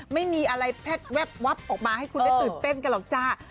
ไม่มีอะไรแพทย์แวบวับออกมาให้คุณได้ตื่นเต้นกันหรอกจ้า